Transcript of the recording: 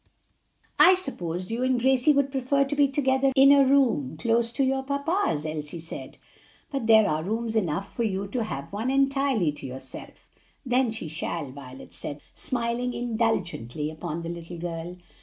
"I supposed you and Gracie would prefer to be together in a room close to your papa's," Elsie said; "but there are rooms enough for you to have one entirely to yourself." "Then she shall," Violet said, smiling indulgently upon the little girl.